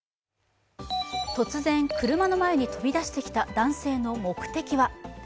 突然、車の前に飛び出してきた男性の目的は。